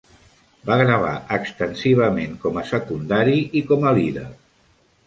Va gravar extensivament com a secundari i com a líder.